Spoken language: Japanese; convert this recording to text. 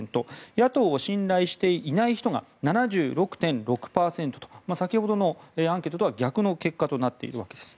野党を信頼していない人が７６．６％と先ほどのアンケートとは逆の結果となっているわけです。